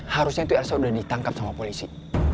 harusnya tuh elsa udah ditangkap sama polisi